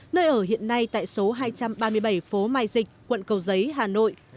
nơi ở hiện nay tại số hai trăm ba mươi bảy phố mai dịch quận cầu giấy hà nội